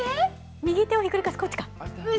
右手をひっくり返す、こっちか。